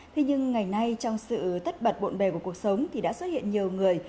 thế nhưng ngày nay trong sự tất bật bộn bề của cuộc sống thì đã xuất hiện nhiều người